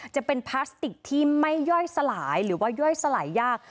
จะเป็นพลาสติกที่ไม่ย่อยสลายหรือว่าย่อยสลายยาก